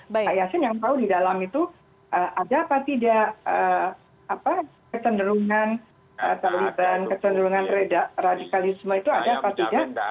pak yasin yang tahu di dalam itu ada apa tidak kecenderungan taliban kecenderungan radikalisme itu ada apa tidak